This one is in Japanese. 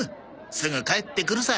すぐ帰ってくるさ。